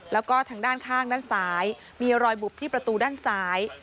แล้วก็ทางด้านข้างด้านซ้ายมีรอยบุบที่ประตูด้านซ้าย